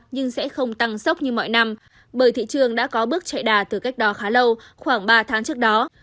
nhưng sẽ không tăng sốc như mọi năm bởi thị trường đã có bước chạy đà từ cách đó khá lâu khoảng ba tháng trước đó